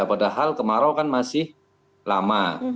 padahal kemarau kan masih lama